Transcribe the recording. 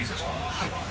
はい。